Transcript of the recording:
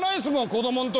子供の時。